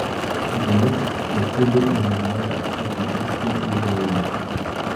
Dalis cocilių dalyvauja sapatistų judėjime.